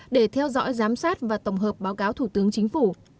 để theo dõi giám sát và tổng hợp báo cáo thủ tướng chính phủ